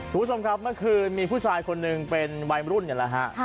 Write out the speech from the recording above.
คุณผู้ชมครับเมื่อคืนมีผู้ชายคนหนึ่งเป็นวัยรุ่นนี่แหละฮะ